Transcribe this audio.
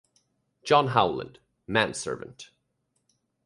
John Howland - manservant.